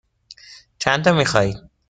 چندتا می خواهید؟